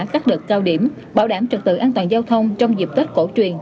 các đợt cao điểm bảo đảm trật tự an toàn giao thông trong dịp tết cổ truyền